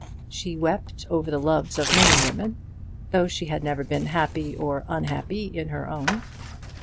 She wept over the loves of many women, though she had never been happy or unhappy in her own.